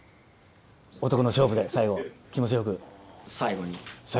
男の勝負で最後気持ちよく。